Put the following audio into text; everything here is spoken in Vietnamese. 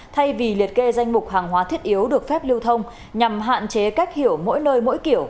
thay vì liệt kê danh mục hàng hóa thiết yếu được phép lưu thông nhằm hạn chế cách hiểu mỗi nơi mỗi kiểu